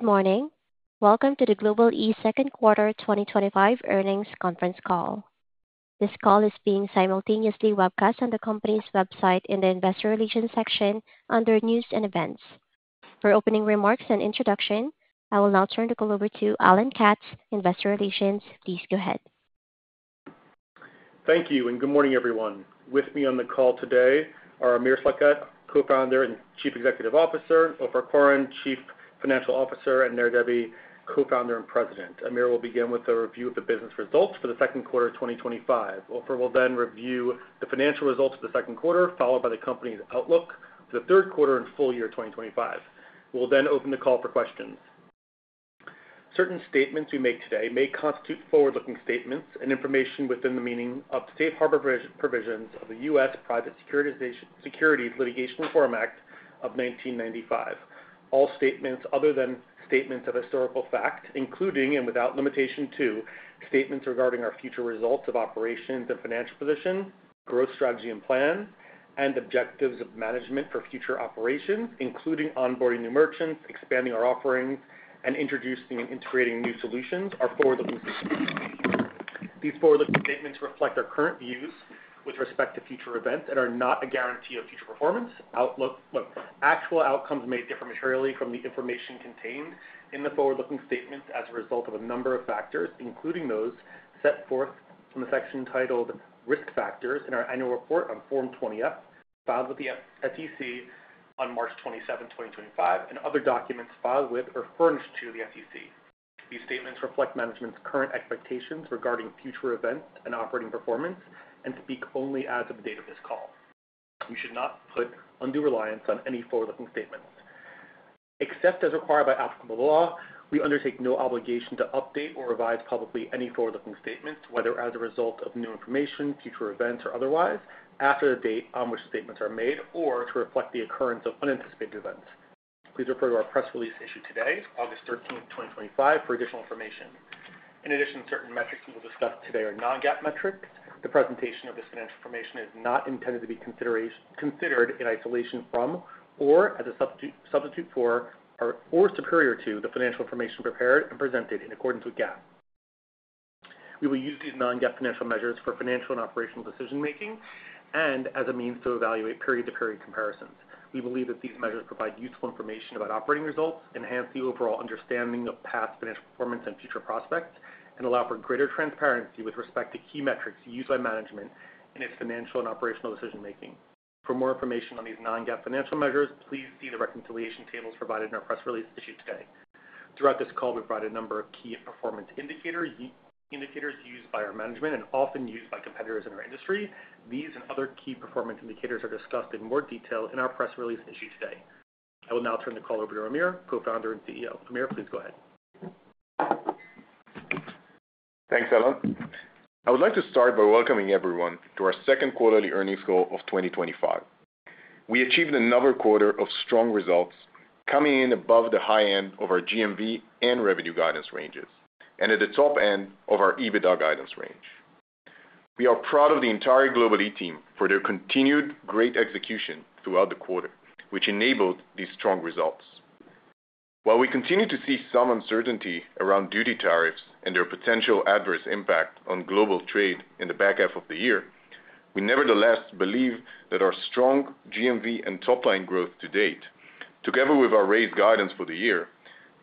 Good morning. Welcome to the Global-e second quarter 2025 earnings conference call. This call is being simultaneously webcast on the Company's website in the Investor Relations section under News and Events for opening remarks and introduction. I will now turn the call over to Alan Katz, Head of Investor Relations. Please go ahead. Thank you and good morning everyone. With me on the call today are Amir Schlachet, Co-Founder and Chief Executive Officer, Ofer Koren, Chief Financial Officer, and Nir Debbi, Co-Founder and President. Amir will begin with a review of the business results for the second quarter 2025. Ofer will then review the financial results for the second quarter, followed by the company's outlook for the third quarter and full year 2025. We'll then open the call for questions. Certain statements we make today may constitute forward-looking statements and information within the meaning of safe harbor provisions of the U.S. Private Securities Litigation Reform Act of 1995. All statements other than statements of historical fact, including and without limitation to statements regarding our future results of operations and financial position, growth strategy and plan and objectives of management for future operations, including onboarding new merchants, expanding our offerings, and introducing and integrating new solutions, are forward-looking. These forward-looking statements reflect our current views with respect to future events and are not a guarantee of future performance, outlook, or results. Actual outcomes may differ materially from the information contained in the forward-looking statements as a result of a number of factors, including those set forth in the section titled Risk Factors in our Annual Report on Form 20-F filed with the SEC on March 27th, 2025, and other documents filed with or furnished to the SEC. These statements reflect management's current expectations regarding future events and operating performance and speak only as of the date of this call. You should not put undue reliance on any forward-looking statement except as required by applicable law. We undertake no obligation to update or revise publicly any forward-looking statements, whether as a result of new information, future events, or otherwise after the date on which statements are made or to reflect the occurrence of unanticipated events. Please refer to our press release issued today, August 13th, 2025, for additional information. In addition, certain metrics we will discuss today are non-GAAP metrics. The presentation of this financial information is not intended to be considered in isolation from or as a substitute for or superior to the financial information prepared and presented in accordance with GAAP. We will use these non-GAAP financial measures for financial and operational decision making and as a means to evaluate period-to-period comparisons. We believe that these measures provide useful information about operating results, enhance the overall understanding of past financial performance and future prospects, and allow for greater transparency with respect to key metrics used by management and in its financial and operational decision making. For more information on these non-GAAP financial measures, please see the reconciliation tables provided in our press release issued today. Throughout this call, we brought a number of key performance indicators used by our management and often used by competitors in our industry. These and other key performance indicators are discussed in more detail in our press release issued today. I will now turn the call over to Amir, Co-Founder and CEO. Amir, please go ahead. Thanks, Alan. I would like to start by welcoming everyone to our second quarterly earnings call of 2025. We achieved another quarter of strong results, coming in above the high end of our GMV and revenue guidance ranges and at the top end of our EBITDA guidance range. We are proud of the entire Global-e team for their continued great execution throughout the quarter, which enabled these strong results. While we continue to see some uncertainty around duty tariffs and their potential adverse impact on global trade in the back half of the year, we nevertheless believe that our strong GMV and top line growth to date, together with our raised guidance for the year,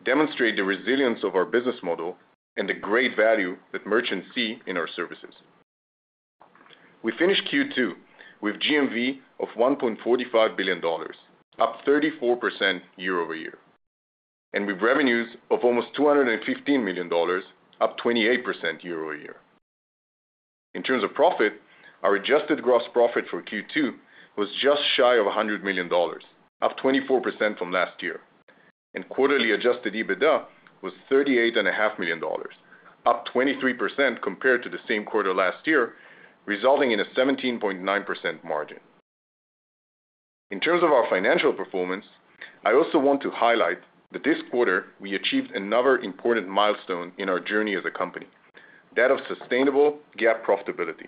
demonstrate the resilience of our business model and the great value that merchants see in our services. We finished Q2 with GMV of $1.45 billion, up 34% year-over-year, and with revenues of almost $215 million, up 28% year-over-year. In terms of profit, our adjusted gross profit for Q2 was just shy of $100 million, up 24% from last year, and quarterly adjusted EBITDA was $38.5 million, up 23% compared to the same quarter last year, resulting in a 17.9% margin. In terms of our financial performance, I also want to highlight that this quarter we achieved another important milestone in our journey as a company, that of sustainable GAAP profitability,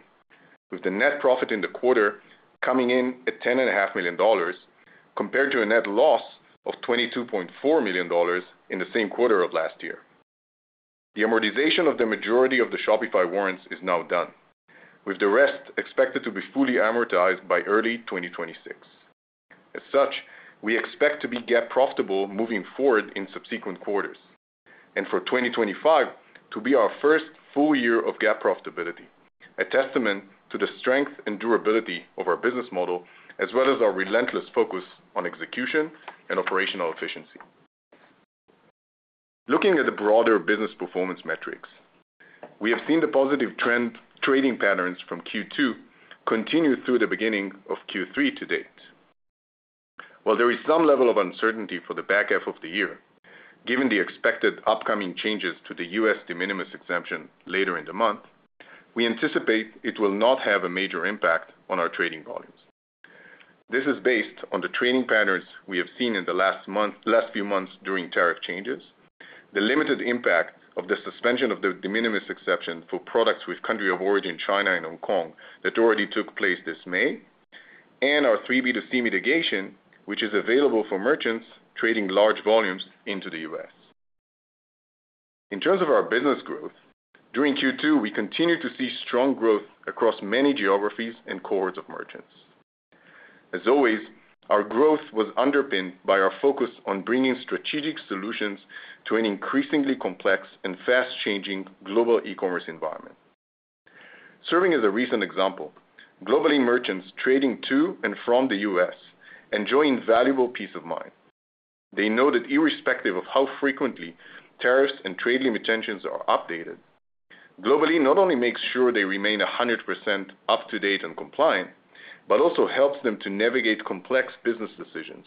with the net profit in the quarter coming in at $10.5 million compared to a net loss of $22.4 million in the same quarter of last year. The amortization of the majority of the Shopify warrants is now done, with the rest expected to be fully amortized by early 2026. As such, we expect to be GAAP profitable moving forward in subsequent quarters and for 2025 to be our first full year of GAAP profitability, a testament to the strength and durability of our business model as well as our relentless focus on execution and operational efficiency. Looking at the broader business performance metrics, we have seen the positive trend trading patterns from Q2 continue through the beginning of Q3 to date. While there is some level of uncertainty for the back half of the year, given the expected upcoming changes to the U.S. De minimis exemption later in the month, we anticipate it will not have a major impact on our trading volumes. This is based on the trading patterns we have seen in the last month, last few months during tariff changes, the limited impact of the suspension of the De minimis exemption for products with country of origin China and Hong Kong that already took place this May, and our 3B2C mitigation which is available for merchants trading large volumes into the U.S. In terms of our business growth during Q2, we continue to see strong growth across many geographies and cores of merchants. As always, our growth was underpinned by our focus on bringing strategic solutions to an increasingly complex and fast-changing global e-commerce environment. Serving as a recent example, Global-e merchants trading to and from the U.S. enjoy invaluable peace of mind. They know that irrespective of how frequently tariffs and trade limitations are updated, Global-e not only makes sure they remain 100% up to date and compliant, but also helps them to navigate complex business decisions,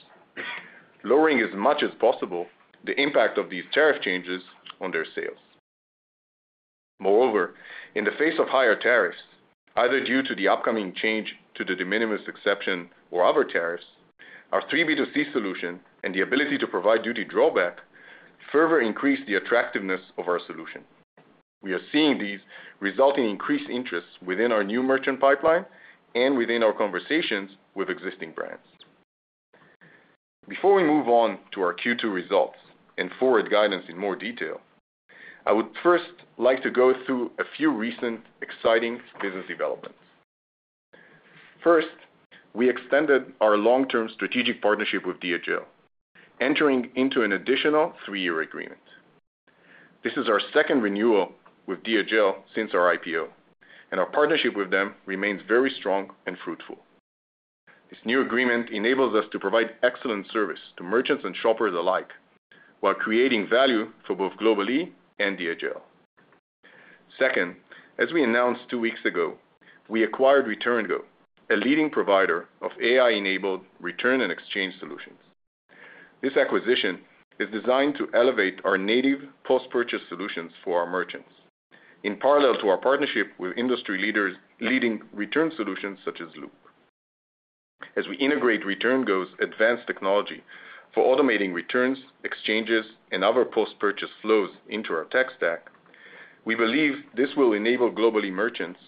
lowering as much as possible the impact of these tariff changes on their sales. Moreover, in the face of higher tariffs, either due to the upcoming change to the De minimis exemption or other tariffs, our 3B2C solution and the ability to provide Duty drawback further increase the attractiveness of our solution. We are seeing these resulting in increased interest within our new merchant pipeline and within our conversations with existing brands. Before we move on to our Q2 results and forward guidance in more detail, I would first like to go through a few recent exciting business developments. First, we extended our long-term strategic partnership with DHL, entering into an additional three-year agreement. This is our second renewal with DHL since our IPO and our partnership with them remains very strong and fruitful. This new agreement enables us to provide excellent service to merchants and shoppers alike while creating value for both Global-e and DHL. Second, as we announced two weeks ago, we acquired ReturnGo, a leading provider of AI-driven return and exchange solutions. This acquisition is designed to elevate our native post-purchase solutions for our merchants in parallel to our partnership with industry leaders, leading return solutions such as Loop. As we integrate ReturnGo's advanced technology for automating returns, exchanges, and other post-purchase flows into our tech stack, we believe this will enable Global-e merchants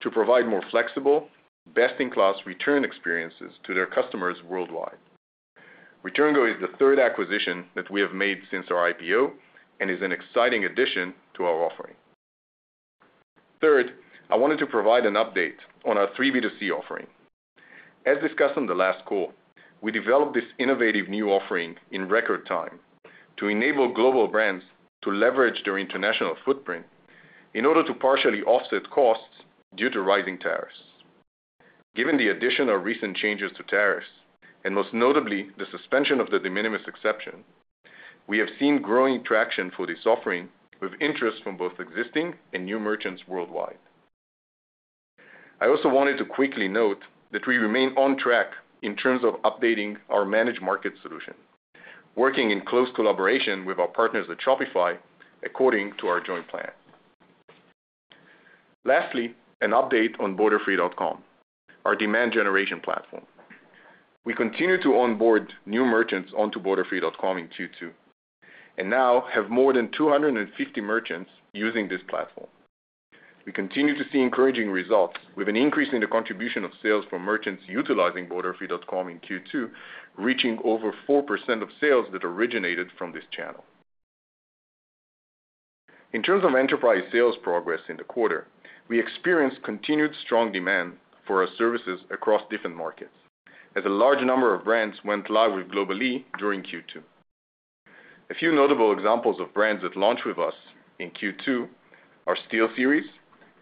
to provide more flexible, best-in-class return experiences to their customers worldwide. ReturnGo is the third acquisition that we have made since our IPO and is an exciting addition to our offering. Third, I wanted to provide an update on our 3B2C offering. As discussed on the last call, we developed this innovative new offering in record time to enable global brands to leverage their international footprint in order to partially offset costs due to rising tariffs. Given the addition of recent changes to tariffs and most notably the suspension of the De minimis exemption, we have seen growing traction for this offering with interest from both existing and new merchants worldwide. I also wanted to quickly note that we remain on track in terms of updating our managed market solution, working in close collaboration with our partners at Shopify according to our joint plan. Lastly, an update on borderfree.com, our demand generation platform. We continue to onboard new merchants onto borderfree.com in Q2 and now have more than 250 merchants using this platform. We continue to see encouraging results with an increase in the contribution of sales for merchants utilizing borderfree.com in Q2, reaching over 4% of sales that originated from this channel. In terms of enterprise sales progress in the quarter, we experienced continued strong demand for our services across different markets as a large number of brands went live with Global-e during Q2. A few notable examples of brands that launched with us in Q2 are SteelSeries,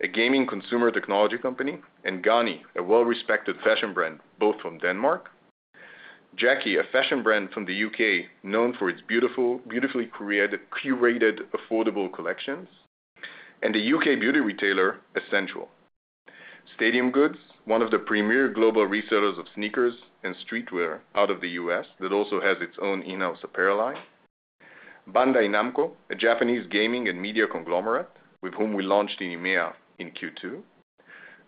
a gaming consumer technology company, and Ganni, a well-respected fashion brand, both from Denmark; JAKI, a fashion brand from the U.K. known for its beautifully created, curated, affordable collections; and the U.K. beauty retailer Essential; Stadium Goods, one of the premier global resellers of sneakers and streetwear out of the U.S. that also has its own in-house apparel line; Bandai Namco, a Japanese gaming and media conglomerate with whom we launched in EMEA in Q2;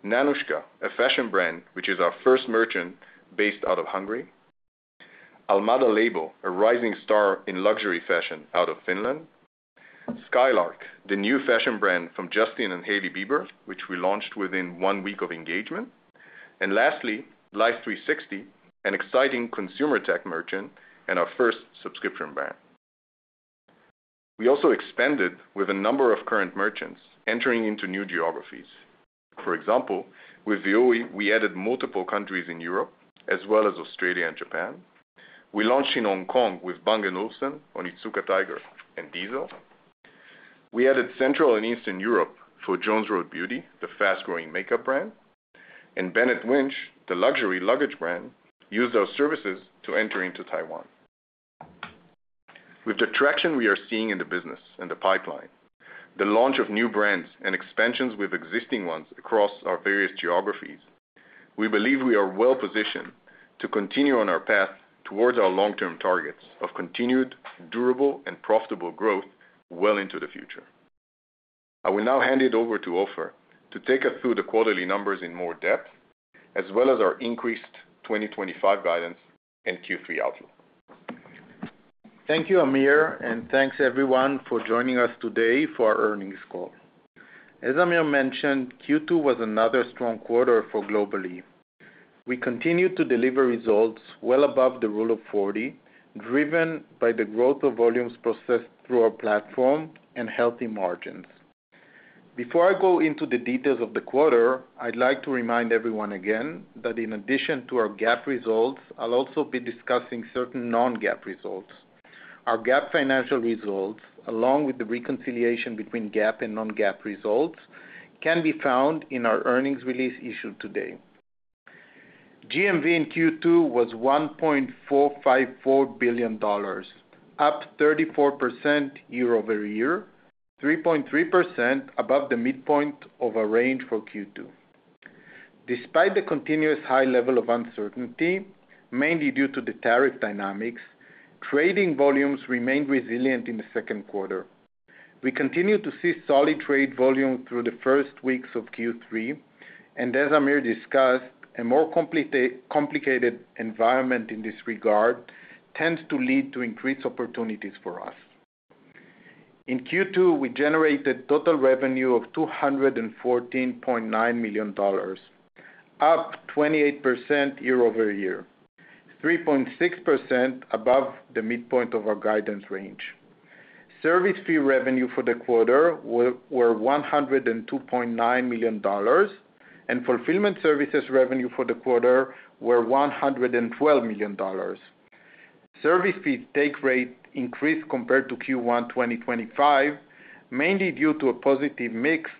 Nanushka, a fashion brand which is our first merchant based out of Hungary; Almada Label, a rising star in luxury fashion out of Finland; Skims, the new fashion brand from Justin and Hailey Bieber, which we launched within one week of engagement; and lastly, Blythe 360, an exciting consumer tech merchant and our first subscription brand. We also expanded with a number of current merchants entering into new geographies. For example, with the OE, we added multiple countries in Europe as well as Australia and Japan. We launched in Hong Kong with Bang & Olufsen, Onitsuka Tiger, and Diesel. We added Central and Eastern Europe for Jones Road Beauty, the fast-growing makeup brand, and Bennett Winch, the luxury luggage brand, used our services to enter into Taiwan. With the traction we are seeing in the business and the pipeline, the launch of new brands, and expansions with existing ones across our various geographies, we believe we are well positioned to continue on our path towards our long-term targets of continued durable and profitable growth well into the future. I will now hand it over to Ofer to take us through the quarterly numbers in more depth as well as our increased 2025 guidance and Q3 outlook. Thank you, Amir, and thanks everyone for joining us today for the earnings call. As Amir mentioned, Q2 was another strong quarter for Global-e. We continued to deliver results well above the Rule of 40, driven by the growth of volumes processed through our platform and healthy margins. Before I go into the details of the quarter, I'd like to remind everyone again that in addition to our GAAP results, I'll also be discussing certain non-GAAP results. Our GAAP financial results, along with the reconciliation between GAAP and non-GAAP results, can be found in our earnings release issued today. GMV in Q2 was $1.454 billion, up 34% year-over-year, 3.3% above the midpoint of our range for Q2. Despite the continuous high level of uncertainty, mainly due to the tariff dynamics, trading volumes remained resilient in the second quarter. We continue to see solid trade volume through the first weeks of Q3, and as Amir discussed, a more complicated environment in this regard tends to lead to increased opportunities for us. In Q2, we generated total revenue of $214.9 million, up 28% year-over-year, 3.6% above the midpoint of our guidance range. Service fee revenue for the quarter was $102.9 million, and fulfillment services revenue for the quarter was $112 million. Service fee take rate increased compared to Q1 2025, mainly due to a positive mix,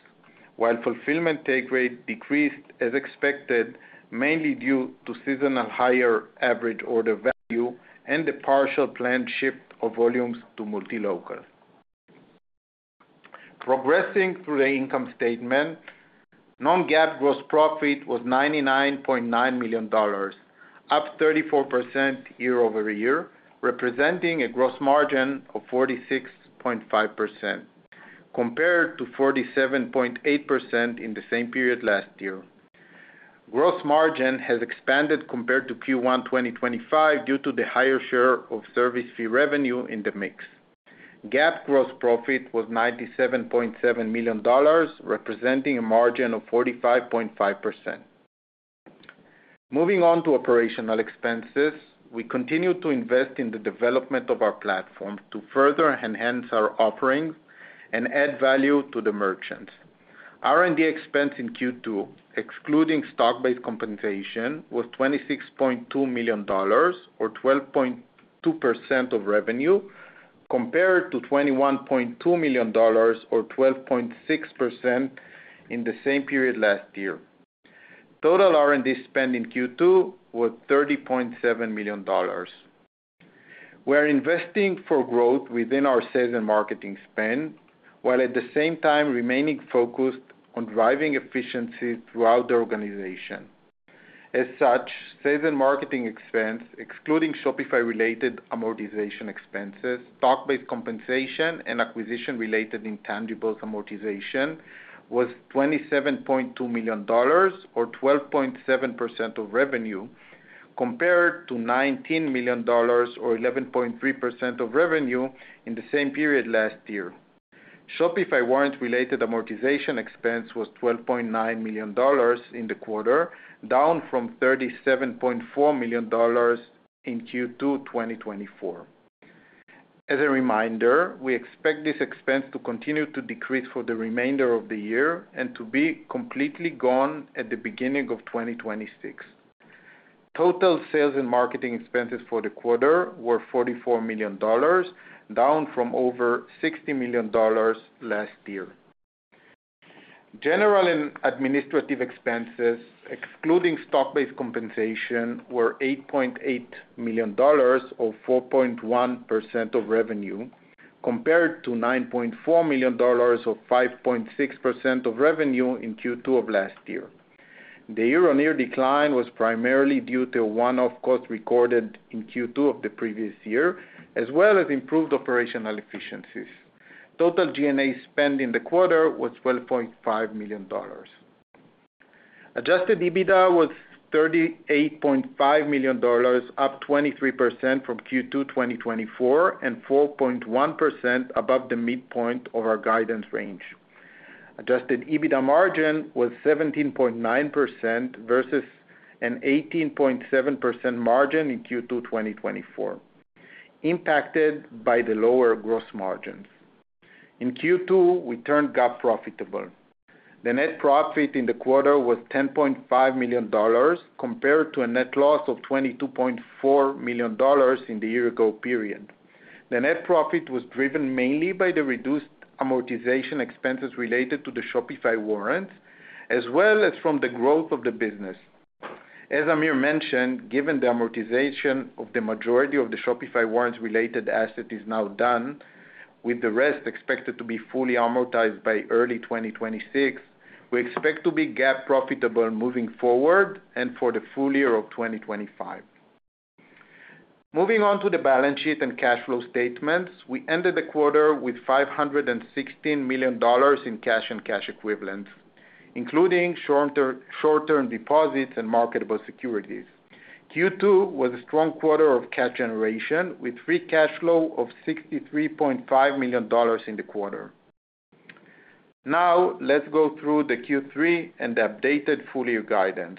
while fulfillment take rate decreased as expected, mainly due to seasonal higher average order value and the partial planned shift of volumes to Multilocal. Progressing through the income statement, non-GAAP gross profit was $99.9 million, up 34% year-over-year, representing a gross margin of 46.5% compared to 47.8% in the same period last year. Gross margin has expanded compared to Q1 2025 due to the higher share of service fee revenue in the mix. GAAP gross profit was $97.7 million, representing a margin of 45.5%. Moving on to operational expenses, we continue to invest in the development of our platform to further enhance our offerings and add value to the merchants. R&D expense in Q2, excluding stock-based compensation, was $26.2 million or 12.2% of revenue, compared to $21.2 million or 12.6% in the same period last year. Total R&D spend in Q2 was $30.7 million. We are investing for growth within our sales and marketing spend while at the same time remaining focused on driving efficiency throughout the organization. As such, sales and marketing expense excluding Shopify-related amortization expenses, stock-based compensation, and acquisition-related intangible amortization was $27.2 million or 12.7% of revenue, compared to $19 million or 11.3% of revenue in the same period last year. Shopify warrant-related amortization expense was $12.9 million in the quarter, down from $37.4 million in Q2 2024. As a reminder, we expect this expense to continue to decrease for the remainder of the year and to be completely gone at the beginning of 2026. Total sales and marketing expenses for the quarter were $44 million, down from over $60 million last year. General and administrative expenses excluding stock-based compensation were $8.8 million or 4.1% of revenue, compared to $9.4 million or 5.6% of revenue in Q2 of last year. The year-on-year decline was primarily due to one-off cost recorded in Q2 of the previous year as well as improved operational efficiencies. Total G&A spend in the quarter was $12.5 million. Adjusted EBITDA was $38.5 million, up 23% from Q2 2024 and 4.1% above the midpoint of our guidance range. Adjusted EBITDA margin was 17.9% versus an 18.7% margin in Q2 2024. Impacted by the lower gross margins in Q2, we turned GAAP profitable. The net profit in the quarter was $10.5 million compared to a net loss of $22.4 million in the year-ago period. The net profit was driven mainly by the reduced amortization expenses related to the Shopify warrants as well as from the growth of the business. As Amir mentioned, given the amortization of the majority of the Shopify warrants-related asset is now done, with the rest expected to be fully amortized by early 2026, we expect to be GAAP profitable moving forward and for the full year of 2025. Moving on to the balance sheet and cash flow statements, we ended the quarter with $516 million in cash and cash equivalents, including short-term deposits and marketable securities. Q2 was a strong quarter of cash generation with free cash flow of $63.5 million in the quarter. Now let's go through the Q3 and the updated full-year guidance.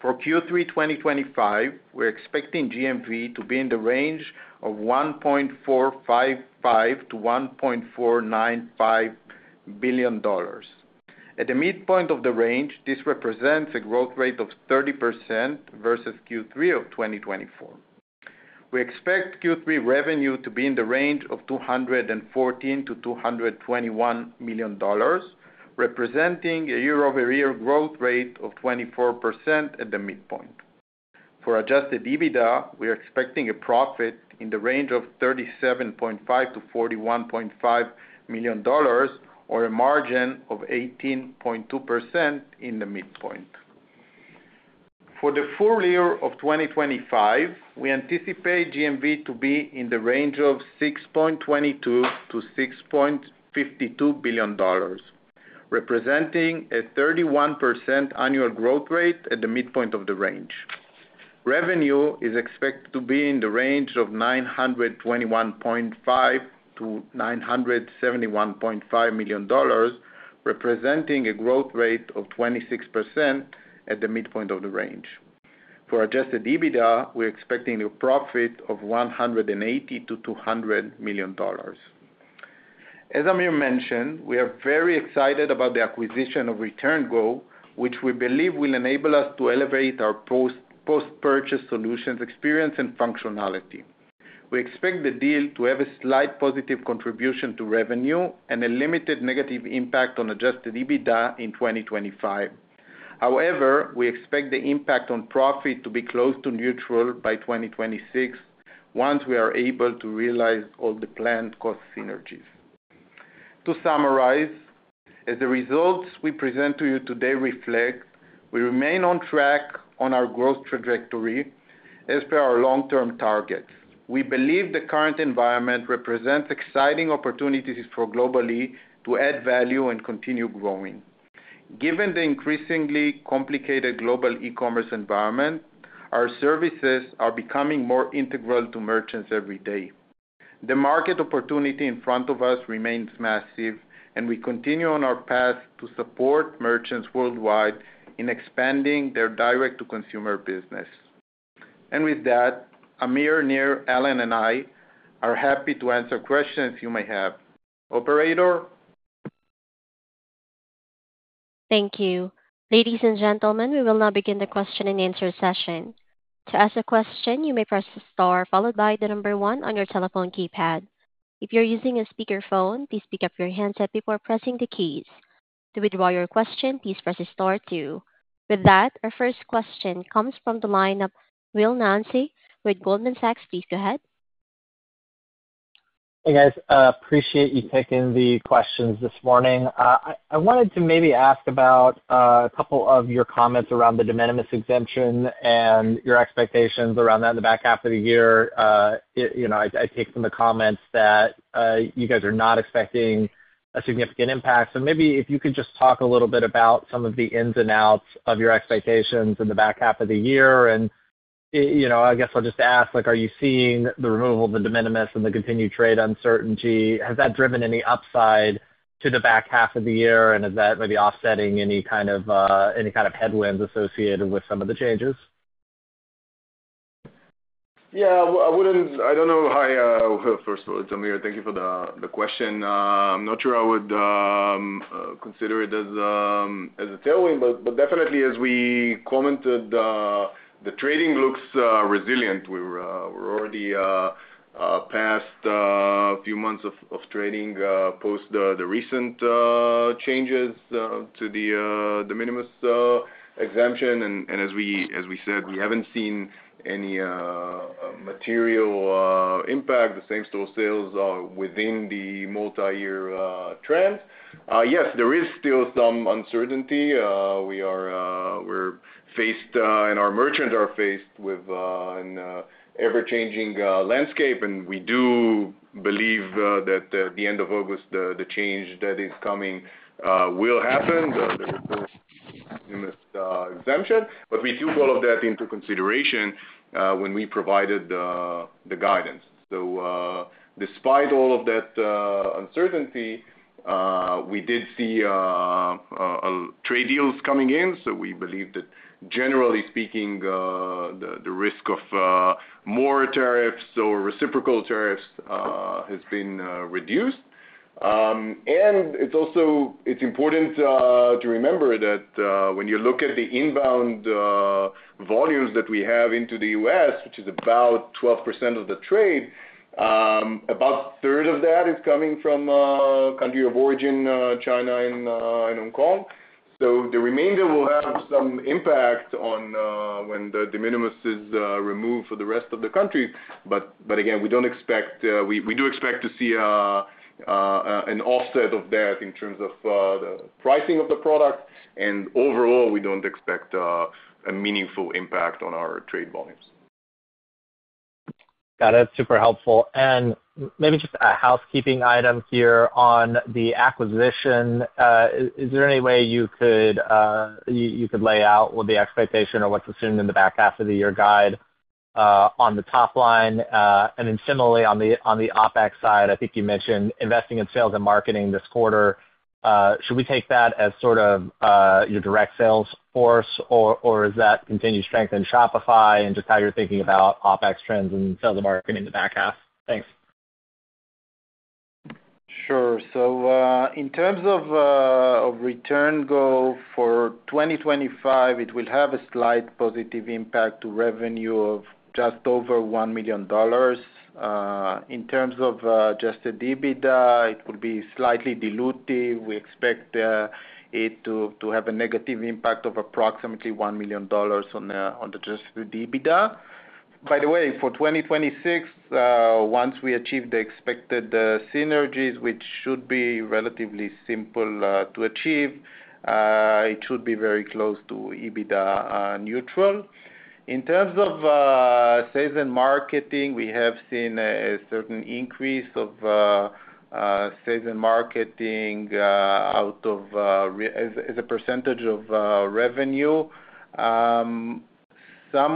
For Q3 2025, we're expecting GMV to be in the range of $1.45 billion-$1.495 billion. At the midpoint of the range, this represents a growth rate of 30% versus Q3 of 2024. We expect Q3 revenue to be in the range of $214 million-$221 million, representing a year-over-year growth rate of 24% at the midpoint. For adjusted EBITDA, we are expecting a profit in the range of $37.5 million-$41.5 million, or a margin of 18.2% at the midpoint. For the full year of 2025, we anticipate GMV to be in the range of $6.22 billion-$6.52 billion, representing a 31% annual growth rate at the midpoint of the range. Revenue is expected to be in the range of $921.5 million-$971.5 million, representing a growth rate of 26% at the midpoint of the range. For adjusted EBITDA, we expect a profit of $180 million-$200 million. As Amir mentioned, we are very excited about the acquisition of ReturnGo, which we believe will enable us to elevate our post-purchase solutions, experience, and functionality. We expect the deal to have a slight positive contribution to revenue and a limited negative impact on adjusted EBITDA in 2025. However, we expect the impact on profit to be close to neutral by 2026 once we are able to realize all the planned cost synergies. To summarize, as the results we present to you today reflect, we remain on track on our growth trajectory as per our long-term targets. We believe the current environment represents exciting opportunities for Global-e to add value and continue growing. Given the increasingly complicated global e-commerce environment, our services are becoming more integral to merchants every day. The market opportunity in front of us remains massive, and we continue on our path to support merchants worldwide in expanding their direct-to-consumer business. With that, Amir, Nir, Alan, and I are happy to answer questions you may have. Operator. Thank you, ladies and gentlemen. We will now begin the question and answer session. To ask a question, you may press STAR followed by the number one on your telephone keypad. If you're using a speakerphone, please pick up your handset before pressing the keys. To withdraw your question, please press STAR two. With that, our first question comes from the line of Will Nance with Goldman Sachs. Please go ahead. Hey guys, appreciate you taking the questions this morning. I wanted to maybe ask about a couple of your comments around the De minimis exemption and your expectations around that in the back half of the year. I take from the comments that you guys are not expecting a significant impact. If you could just talk a little bit about some of the ins and outs of your expectations in the back half of the year. I guess I'll just ask, are you seeing the removal of the De minimis and the continued trade uncertainty, has that driven any upside to the back half of the year and is that maybe offsetting any kind of headwinds associated with some of the changes? Yeah, I wouldn't. I don't know. Hi. First of all, Amir, thank you for the question. I'm not sure I would consider it as a tailwind, but definitely as we commented, the trading looks resilient. We were already past a few months of trading post the recent changes to the De minimis exemption, and as we said, we haven't seen any material impact. The same store sales are within the multi-year trend. Yes, there is still some uncertainty we are faced and our merchants are faced with an ever-changing landscape. We do believe that at the end of August, the change that is coming will happen. Exemption. We took all of that into consideration when we provided the guidance. Despite all of that uncertainty, we did see trade deals coming in. We believe that generally speaking the risk of more tariffs or reciprocal tariffs has been reduced. It's also important to remember that when you look at the inbound volumes that we have into the U.S., which is about 12% of the trade, about a third of that is coming from. Country of origin: China and Hong Kong. The remainder will have some impact on when the De minimis exemption is removed for the rest of the country. Again, we do expect to see an offset of that in terms of the pricing of the product, and overall we don't expect a meaningful impact on our trade volumes. Got it. Super helpful. Maybe just a housekeeping item here on the acquisition. Is there any way you could lay out what the expectation of what's assumed in the back half of the year guidelines on the top line, and then similarly on the OpEx side? I think you mentioned investing in sales and marketing this quarter. Should we take that as sort of your direct sales force, or is that continued strength in Shopify, and just how you're thinking about OpEx trends and sell the market in the back half? Thanks. Sure. In terms of ReturnGo for 2025, it will have a slight positive impact to revenue of just over $1 million. In terms of adjusted EBITDA, it could be slightly dilutive. We expect it to have a negative impact of approximately $1 million on the adjusted EBITDA. By the way, for 2026, once we achieve the expected synergies, which should be relatively simple to achieve, it should be very close to EBITDA neutral. In terms of sales and marketing, we have seen a certain increase of sales and marketing as a percentage of revenue. Some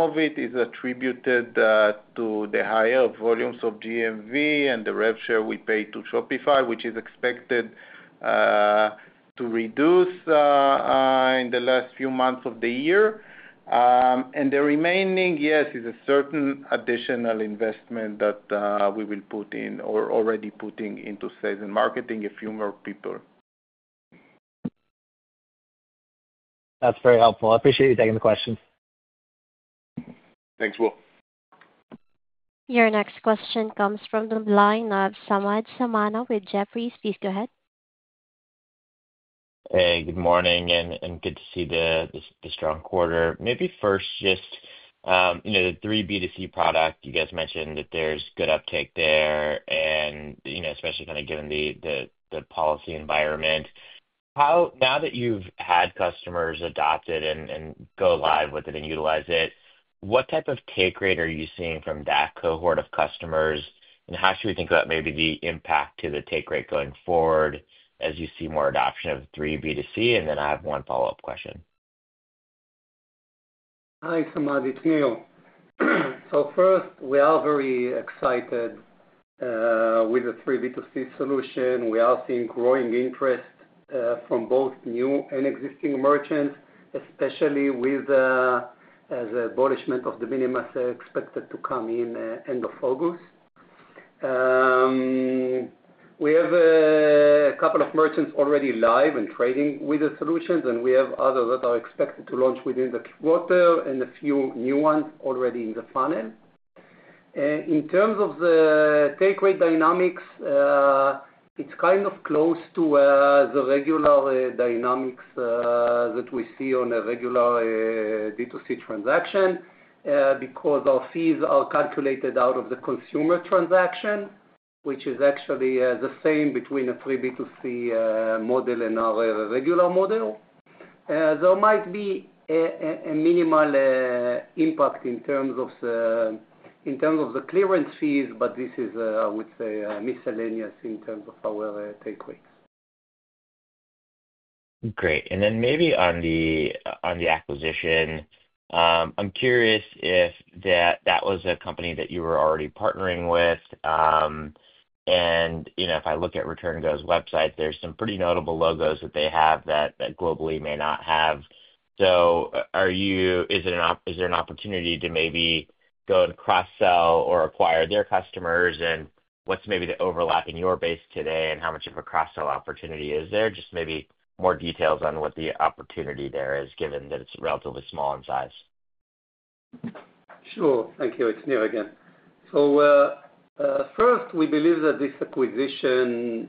of it is attributed to the higher volumes of GMV and the rev share we pay to Shopify, which is expected to reduce in the last few months of the year. The remaining, yes, is a certain additional investment that we will put in or are already putting into sales and marketing, a few more people. That's very helpful. I appreciate you taking the questions. Thanks, Will. Will your next question comes from the line of Samad Samana with Jefferies. Please go ahead. Hey, good morning and good to see the strong quarter. Maybe first just the 3B2C product. You guys mentioned that there's good uptake there, and especially given the policy environment now that you've had customers adopt it and go live with it and utilize it. What type of take rate are you seeing from that cohort of customers, and how should we think about maybe the impact to the take rate going forward as you see more adoption of 3B2C? I have one follow up question. Hi Samad, it's Nir. We are very excited with the 3B2C solution. We are seeing growing interest from both new and existing merchants, especially with the abolishment of the De minimis exemption expected to come in end of August. We have a couple of merchants already live and trading with the solutions, and we have others that are expected to launch within the quarter and a few new ones already in the funnel. In terms of the take rate dynamics, it's kind of close to the regular dynamics that we see on a regular D2C transaction because our fees are calculated out of the consumer transaction, which is actually the same between a 3B2C model and our regular model. There might be a minimal impact in terms of the clearance fees, but this is, I would say, miscellaneous in terms of our take rate. Great. Maybe on the acquisition, I'm curious if that was a company that you were already partnering with. If I look at ReturnGo's website, there are some pretty notable logos that they have that Global-e may not have. Is there an opportunity to maybe go and cross sell or acquire their customers, and what's maybe the overlap in your base today and how much of a cross sell opportunity is there? Maybe more details on what the opportunity there is given that it's relatively small in size. Sure. Thank you. It's Nir again. We believe that this acquisition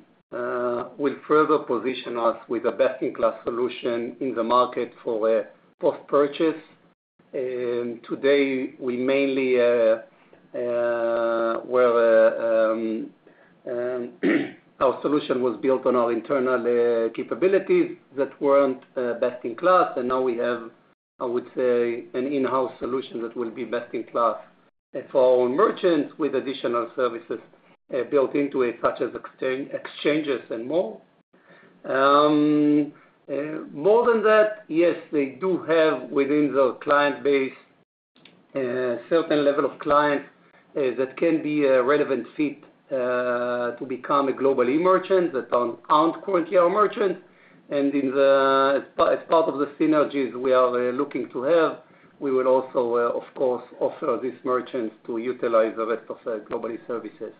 will further position us with a best-in-class solution in the market for post purchase. Today, mainly our solution was built on our internal capabilities that weren't best-in-class, and now we have, I would say, an in-house solution that will be best-in-class for our merchants with additional services built into it, such as exchanges and more. More than that, yes, they do have within the client base a certain level of clients that can be a relevant fit to become a Global-e merchant that aren't currently our merchants. As part of the synergies we are looking to have, we will also, of course, offer these merchants to utilize the rest of Global-e services.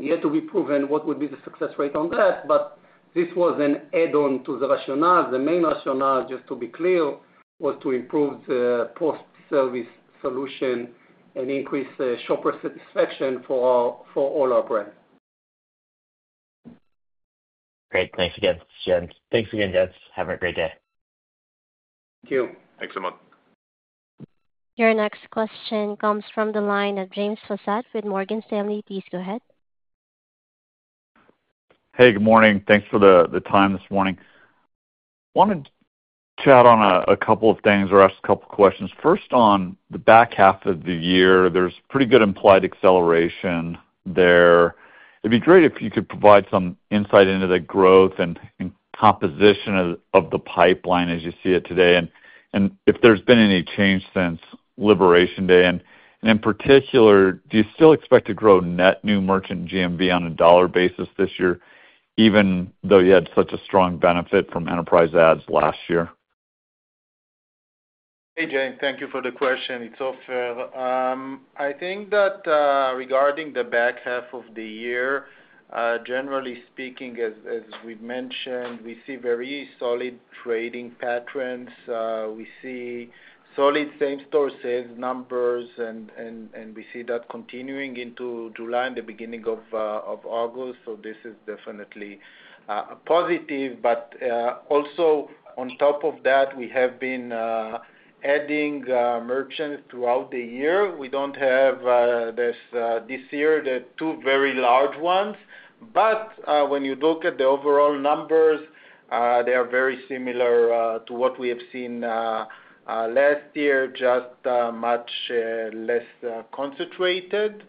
Yet to be proven what would be the success rate on that, but this was an add-on to the rationale. The main rationale, just to be clear, was to improve the post service solution and increase shopper satisfaction for all our brand. Great. Thanks again, gennts. Thanks again, gents. Have a great day. Thank you. Thanks a lot. Your next question comes from the line of James Faucette with Morgan Stanley. Please go ahead. Hey, good morning. Thanks for the time this morning. Wanted to chat on a couple of things or ask a couple questions. First, on the back half of the year, there's pretty good implied acceleration there. It'd be great if you could provide. Some insight into the growth and composition. Of the pipeline as you see it today, and if there's been any change since Liberation Day, in particular, do you still expect to grow net new merchant GMV on a dollar basis this year, even though you had such a strong benefit from enterprise ads last year? Hey James, thank you for the question. It's Ofer. I think that regarding the back half of the year, generally speaking, as we've mentioned, we see very solid trading patterns. We see solid same store sales numbers, and we see that continuing into July and the beginning of August. This is definitely a positive. Also, on top of that, we have been adding merchants throughout the year. We don't have this year the two very large ones, but when you look at the overall numbers, they are very similar to what we have seen last year, just much less concentrated.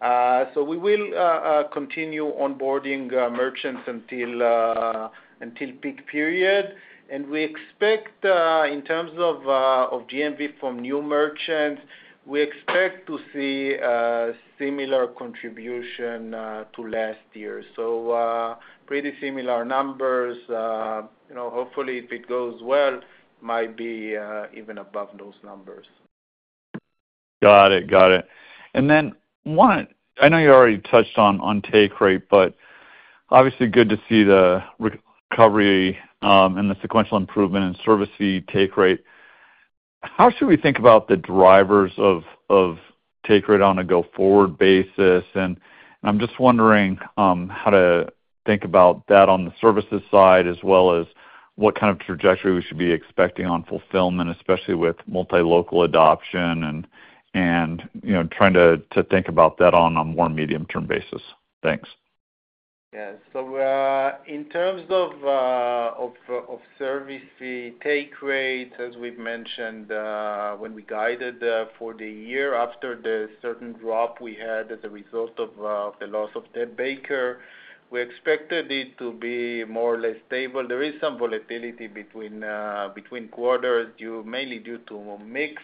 We will continue onboarding merchants until peak period, and we expect in terms of GMV from new merchants, to see similar contribution to last year, so pretty similar numbers. Hopefully, if it goes well, might be even above those numbers. Got it, got it. I know you already touched. On take rate, obviously good to see the recovery and the sequential improvement in service take rate. How should we think about the drivers of take rate on a go forward basis? I'm just wondering how to think. About that on the services side. As what kind of trajectory we. Should be expecting on fulfillment, especially with Multilocal adoption, and trying to think about that on a more medium-term basis. Thanks. Yes. In terms of service fee take rates, as we've mentioned when we guided for the year after the certain drop we had as a result of the loss of Ted Baker, we expected it to be more or less stable. There is some volatility between quarters, mainly due to mix,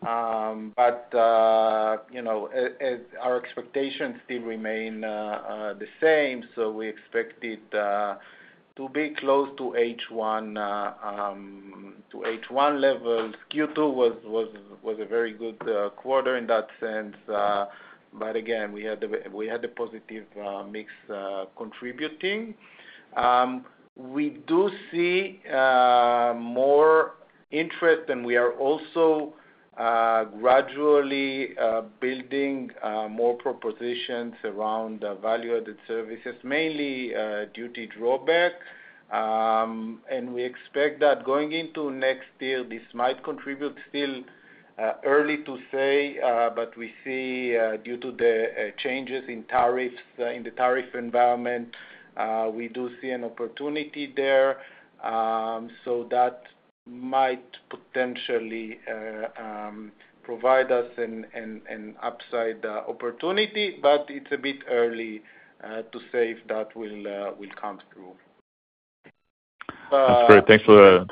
but our expectations still remain the same. We expect it to be close to H1 levels. Q2 was a very good quarter in that sense; we had a positive mix contributing. We do see more, and we are also gradually building more propositions around value added services, mainly due to drawback, and we expect that going into next year this might contribute. It's still early to say, but we see, due to the changes in tariffs in the tariff environment, we do see an opportunity there. That might potentially provide us an upside opportunity. It's a bit early to say if that will come through. That's great. Thanks, Ofer.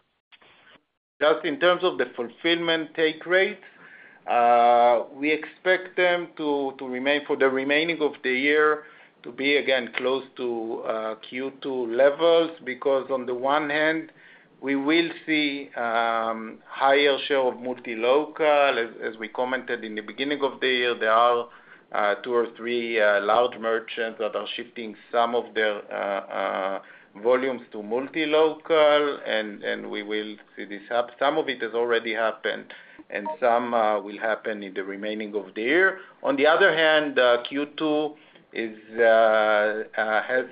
Just in terms of the fulfillment take rate, we expect them to remain for the remaining of the year to be again close to Q2 levels, because on the one hand we will see higher share of multi local. As we commented in the beginning of the year, there are two or three large merchants that are shifting some of their volumes to multi local and we will see this happen. Some of it has already happened and some will happen in the remaining of the year. On the other hand, Q2 has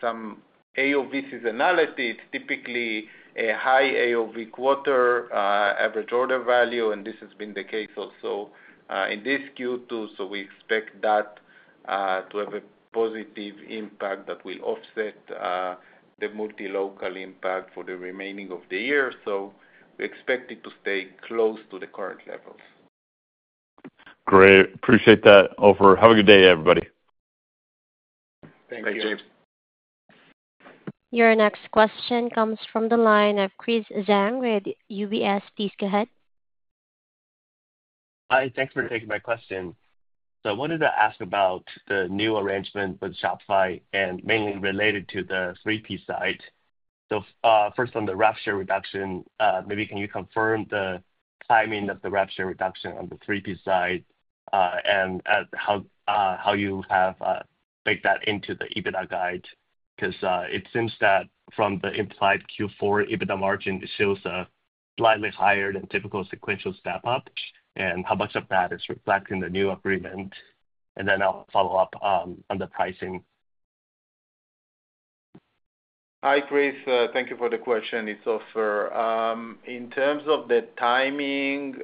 some AOV seasonality. It's typically a high AOV quarter, average order value, and this has been the case also in this Q2. We expect that to have a positive impact that will offset the multi local impact for the remaining of the year. We expect it to stay close to the current levels. Great. Appreciate that, Ofer. Have a good day, everybody. Thank you. James, your next question comes from the line of Chris Zhang with UBS. Please go ahead. Hi, thanks for taking my question. I wanted to ask about the new arrangement with Shopify and mainly related to the 3P side. First, on the rate reduction, can you confirm the timing of the rate reduction on the 3B2C side and how you have baked that into the EBITDA guide? It seems that from the implied Q4 EBITDA margin it shows a slightly higher than typical sequential step up. How much of that is reflecting the new agreement? I'll follow up on the pricing. Hi Chris, thank you for the question. It's Ofer. In terms of the timing,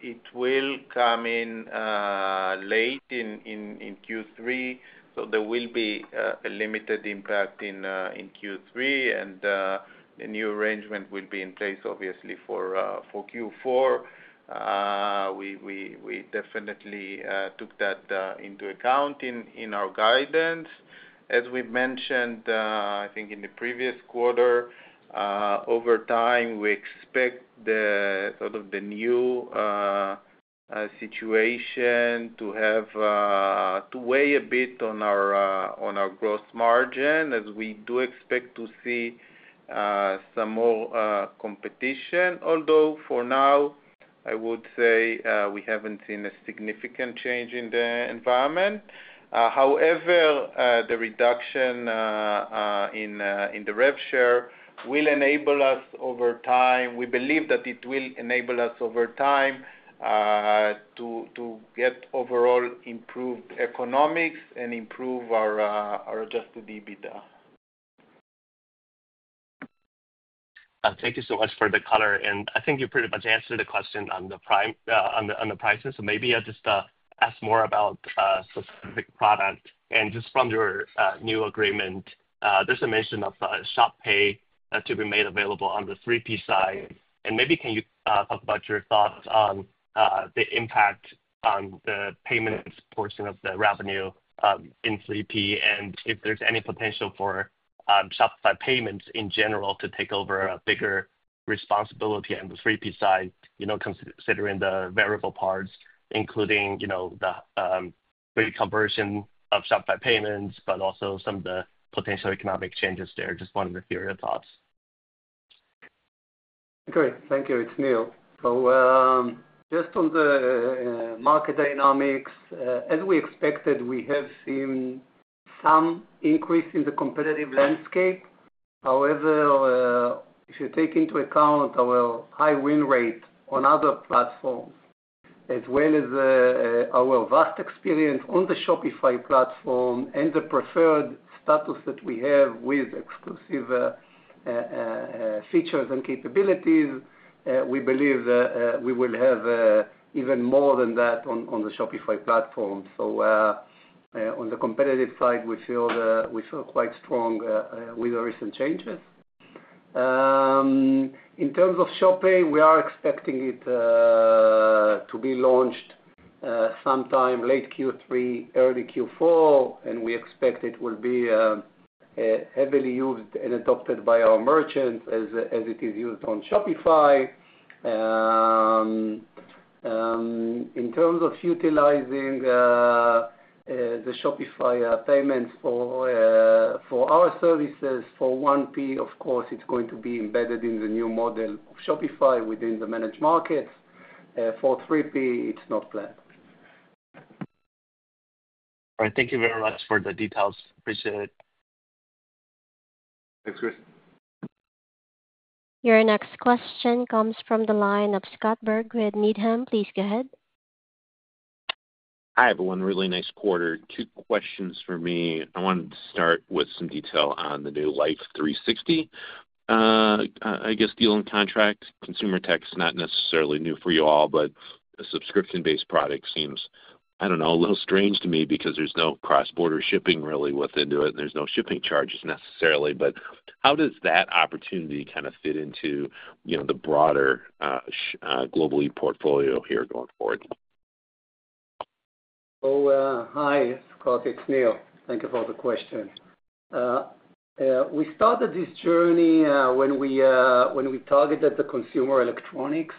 it will come in late in Q3, so there will be a limited impact in Q3, and the new arrangement will be in place obviously for Q4. We definitely took that into account in our guidance as we mentioned, I think, in the previous quarter. Over time, we expect the new situation to have to weigh a bit on our gross margin as we do expect to see some more competition. Although for now, I would say we haven't seen a significant change in the environment. However, the reduction in the rev share will enable us over time. We believe that it will enable us over time to get overall improved economics and improve our adjusted EBITDA. Thank you so much for the color. I think you pretty much answered the question on the prices, so maybe I'll just ask more about a specific product. Just from your new agreement, there's a mention of Shop Pay to be made available on the 3P side. Maybe can you talk about your thoughts on the impact on the payments portion of the revenue in 3P, and if there's any potential for Shopify payments in general to take over a bigger responsibility on the 3P side, considering the variable parts including the conversion of Shopify payments, but also some of the potential economic changes there? Just wanted to hear your thoughts. Okay, thank you. It's Nir. Just on the market dynamics, as we expected, we have seen some increase in the competitive landscape. However, if you take into account our high win rate on other platforms as well as our vast experience on the Shopify platform and the preferred status that we have with exclusive features and capabilities, we believe we will have even more than that on the Shopify platform. On the competitive side, we feel quite strong with the recent changes. In terms of Shop Pay, we are expecting it to be launched sometime late Q3, early Q4, and we expect it will be heavily used and adopted by our merchants as it is used on Shopify in terms of utilizing the Shopify payments for our services. For 1P, of course, it's going to be embedded in the model Shopify within the managed markets. For 3P, it's not planned. All right, thank you very much for the details. Appreciate it. Thanks Chris. Your next question comes from the line of Scott Berg with Needham. Please go ahead. Hi everyone. Really nice quarter. Two questions for me. I wanted to start with some detail on the new Blythe 360, I guess deal and contract consumer tech. Is not necessarily new for you all. Subscription based product seems I don't. Know, a little strange to me because there's no cross-border shipping really within. There's no shipping charges necessarily. How does that opportunity kind of. Fit into the broader Global-e portfolio here going forward? Oh hi Scott. It's Nir, thank you for the question. We started this journey when we targeted the consumer electronics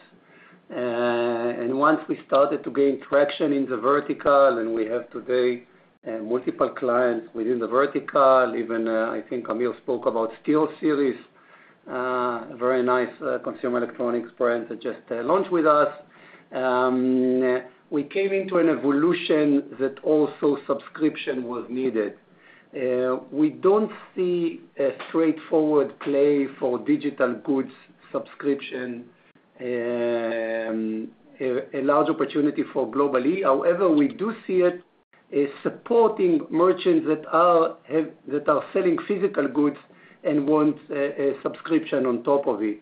and once we started to gain traction in the vertical and we have today multiple clients within the vertical. I think Amir spoke about SteelSeries, very nice consumer electronics brand that just launched with us. We came into an evolution that also subscription was needed. We don't see a straightforward play for digital goods subscription a large opportunity for Global-e. However, we do see it supporting merchants that are selling physical goods and want a subscription on top of it,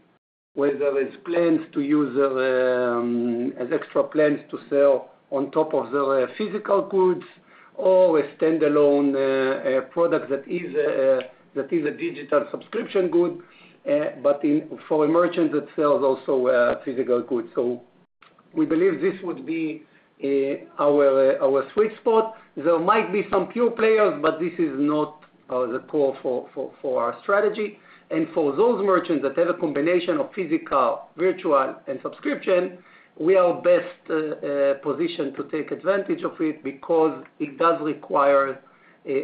whether it's plans to use as extra plans to sell on top of the physical goods or a standalone product that is a digital subscription good but for a merchant that sells also physical goods. We believe this would be our sweet spot. There might be some pure players but this is not the core for our strategy and for those merchants that have a combination of physical, virtual and subscription we are best positioned to take advantage of it because it does require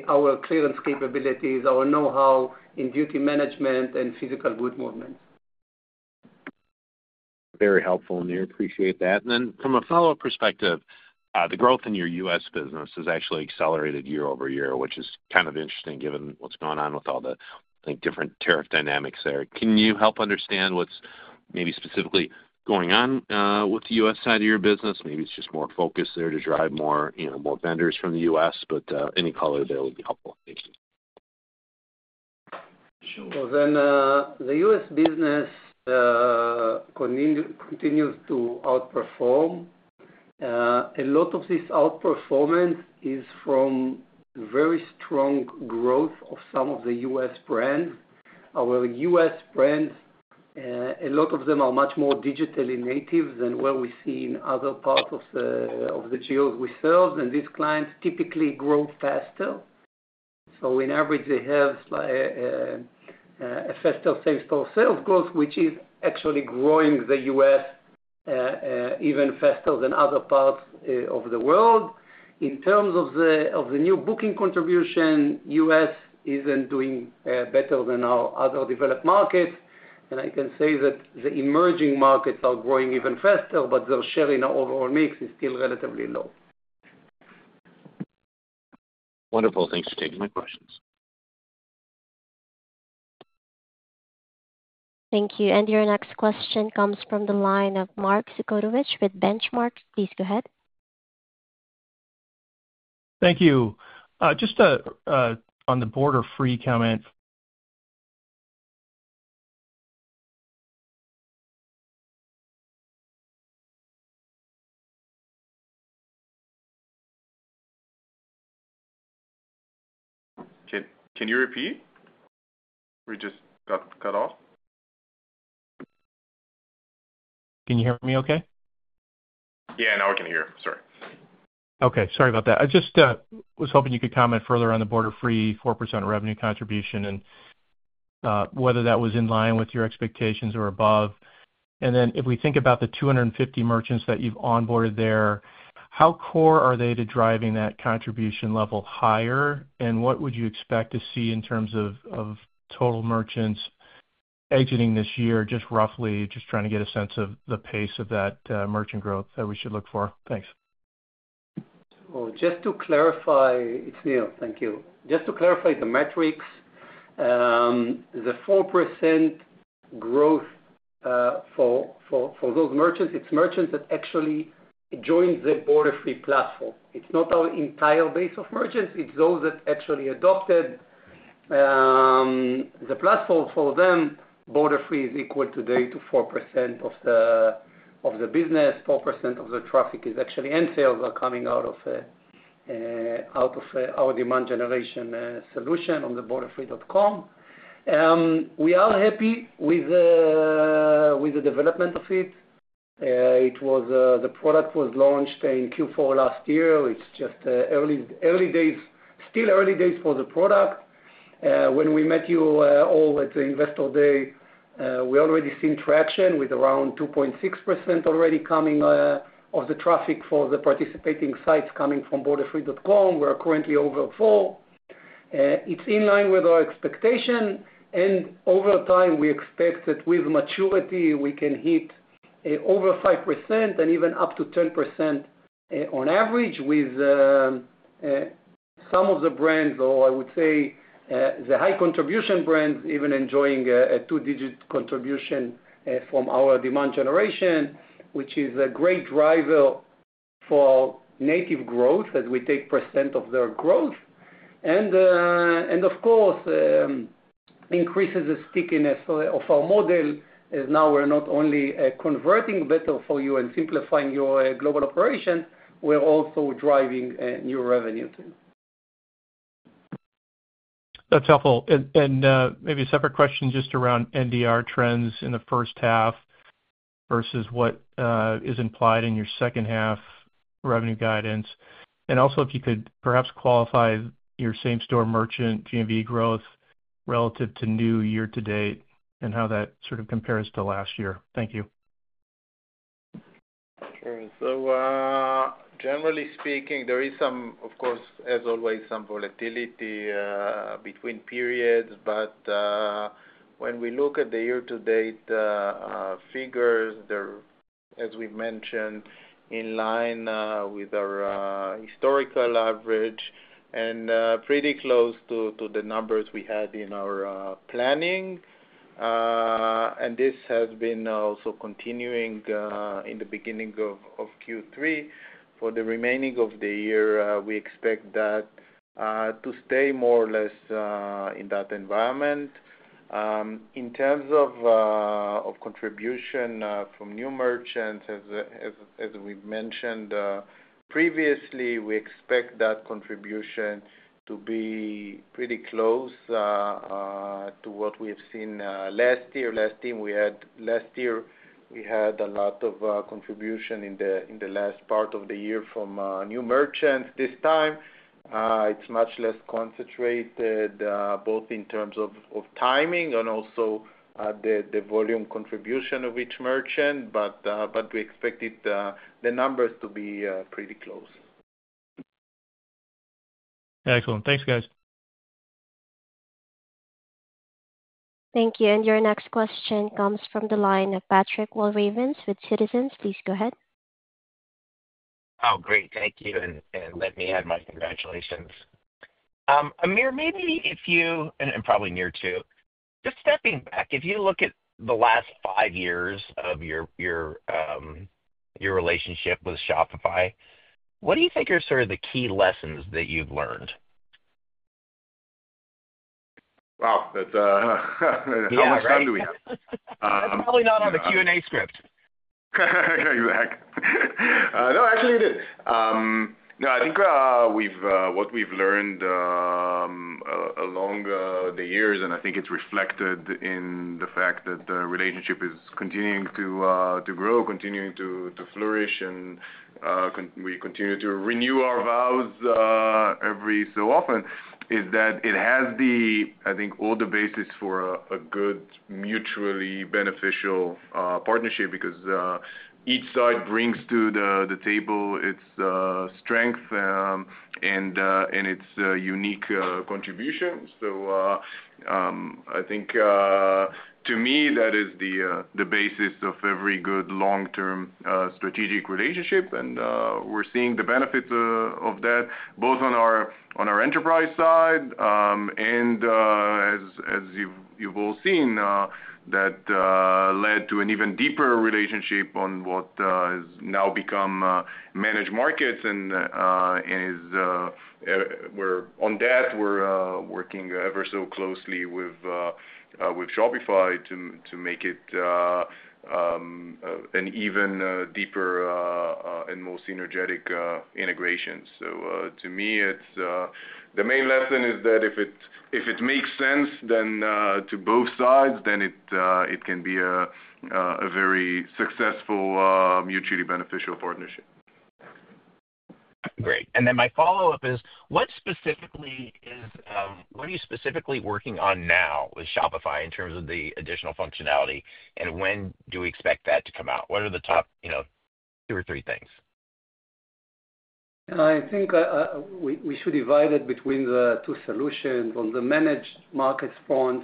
our clearance capabilities, our know how in duty management and physical good movement. Very helpful, Nir. Appreciate that. From a follow up perspective, the growth in your U.S. business has actually accelerated year-over-year, which is kind of interesting given what's going on with all the different tariff dynamics there. Can you help understand what's maybe specifically going on with the U.S. side of your business? Maybe it's just more focus there to drive more, you know, more vendors from the U.S., but any color there will be opportunity. The U.S. business continues to outperform. A lot of this outperformance is from very strong growth of some of the U.S. brands. Our U.S. brands, a lot of them are much more digitally native than what we see in other parts of the geographies we serve, and these clients typically grow faster. In average, they have a faster same store sales growth, which is actually growing the U.S. even faster than other parts of the world. In terms of the new booking contribution, the U.S. isn't doing better than our other developed markets, and I can say that the emerging markets are growing even faster, but their share in our overall mix is still relatively low. Wonderful. Thanks for taking my questions. Thank you. Your next question comes from the line of Mark Zgutowicz with Benchmark. Please go ahead. Thank you. Just on the Borderfree comment. Can you repeat? We just got cut off. Can you hear me okay? Yeah, now I can hear. Sorry. Okay. Sorry about that. I just was hoping you could comment further on the Borderfree 4% revenue contribution and whether that was in line with your expectations or above. If we think about the 250 merchants that you've onboarded there, how core are they to driving that contribution level higher and what would you expect to see in terms of total merchants exiting this year? Just roughly, just trying to get a sense of the pace of that merchant growth that we should look for. Thanks. Oh, just to clarify, it's Nir. Thank you. Just to clarify the metrics, the 4% growth for those merchants, it's merchants that actually joined the Borderfree platform. It's not our entire base of merchants, it's those that actually adopted the platform for them. Borderfree is equal today to 4% of the business. 4% of the traffic is actually end sales are coming out of our demand generation solution on borderfree.com. We are happy with the development of it. The product was launched in Q4 last year. It's just early days, still early days for the product. When we met you all at the investor day, we had already seen traction with around 2.6% already coming of the traffic for the participating sites coming from Borderfree. We're currently over 4%. It's in line with our expectation, and over time we expect that with maturity we can hit over 5% and even up to 10% on average, with some of the brands, or I would say the high contribution brands, even enjoying a two-digit contribution from our demand generation, which is a great driver for native growth as we take percent of their growth and of course increases the stickiness of our model. Now we're not only converting better for you and simplifying your global operations, we're also driving new revenue. That's helpful, and maybe a separate question just around NDR trends in the first half versus what is implied in your second half revenue guidance, and also if you could perhaps qualify your same store merchant GMV growth relative to new year to date and how that sort of compares to last year. Thank you. Generally speaking, there is some, of course, as always, some volatility between periods. When we look at the year-to-date figures, they're, as we mentioned, in line with our historical average and pretty close to the numbers we had in our planning. This has been also continuing in the beginning of Q3. For the remainder of the year, we expect that to stay more or less in that environment. In terms of contribution from new merchants, as we mentioned previously, we expect that contribution to be pretty close to what we've seen last year. Last year, we had a lot of contribution in the last part of the year from new merchants. This time it's much less concentrated, both in terms of timing and also the volume contribution of each merchant. We expect the numbers to be pretty close. Excellent. Thanks, guys. Thank you. Your next question comes from the line of Patrick Walravens with Citizens. Please go ahead. Oh, great. Thank you. Let me add my congratulations. Amir, maybe if you. Probably Nir, just stepping back, if you look at the last five years of your relationship with Shopify, what. Do you think are sort of the. Key lessons that you've learned? Wow, how much time do we have? It's probably not on the Q&A script. No, actually it is. No, I think what we've learned along the years, and I think it's reflected in the fact that the relationship is continuing to grow, continuing to flourish, and we continue to renew our vows every so often, is that it has, I think, all the basis for a good, mutually beneficial partnership because each side brings to the table its strength and its unique contributions. I think to me, that is the basis of every good long-term strategic relationship. We're seeing the benefits of that both on our enterprise side, and as you've all seen, that led to an even deeper relationship on what has now become managed markets. And. We're working ever so closely with Shopify to make it an even deeper and more synergetic integration. To me, the main lesson is that if it makes sense to both sides, then it can be a very successful mutually beneficial partnership. Great. My follow up is what specifically is, what are you specifically working on now with Shopify in terms of the additional functionality? When do we expect that to come out? What are the top two or three things? I think we should divide it between the two solutions. On the managed markets front,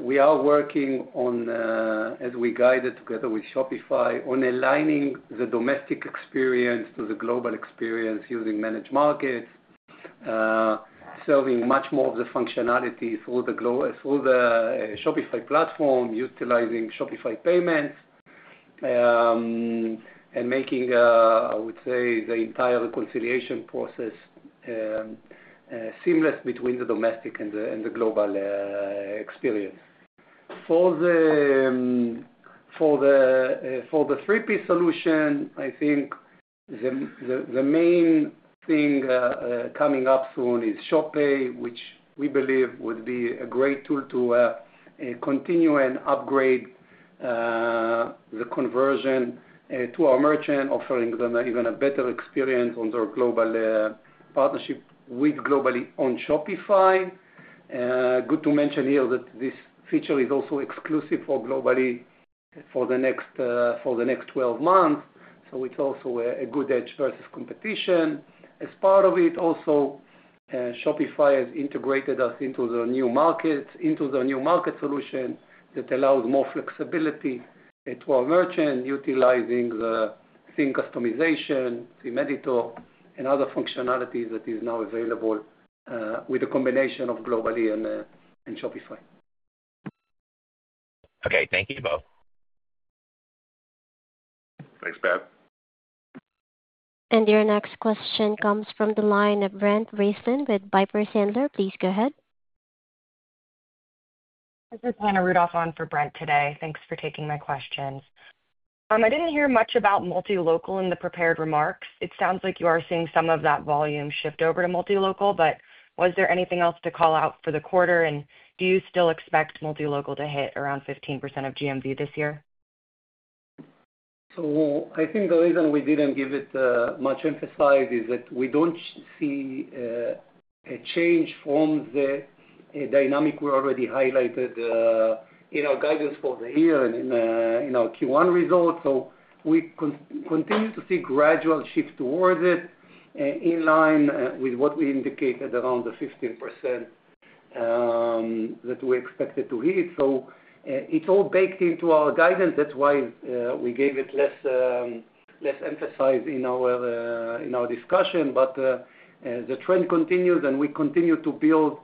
we are working on, as we guided, together with Shopify on aligning the domestic experience to the global experience, using managed markets, serving much more of the functionality through the Shopify platform, utilizing Shopify payments, and making, I would say, the entire reconciliation process seamless between the domestic and the global experience. For the 3P solution, I think the main thing coming up soon is. Shop Pay, which we believe would be a great tool to continue and upgrade the conversion to our merchant, offering them even a better experience on their global partnership with Global-e on Shopify. Good to mention here that this feature is also exclusive for Global-e for the next 12 months. It's also a good edge versus competition as part of it. Also, Shopify has integrated us into the new market solution that allows more flexibility to our merchant utilizing the theme Customization Team Editor and other functionalities that is now available with a combination of Global-e and Shopify. Okay, thank you both. Thanks. Your next question comes from the line of Brent Raiston with Piper Sandler. Please go ahead. This is Hannah Rudolph on for Brent today. Thanks for taking my question. I didn't hear much about Multilocal in the prepared remarks. It sounds like you are seeing some of that volume shift over to Multilocal, but was there anything else to call out for the quarter? Do you still expect Multilocal to hit around 15% of GMV this year? I think the reason we didn't give it much emphasis is that we don't see a change from the dynamic we already highlighted in our guidance for the year and in our Q1 results. We continue to see gradual shift towards it in line with what we indicated around the 15% that we expected to hit. It's all baked into our guidance. That's why we gave it less emphasis in our discussion. The trend continues and we continue to build